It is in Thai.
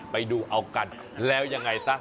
ไปดูเอากันแล้วยังไงซะ